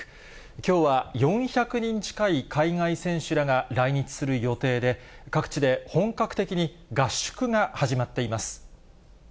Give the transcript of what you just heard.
きょうは４００人近い海外選手らが来日する予定で、各地で本格的に合宿が始まっています。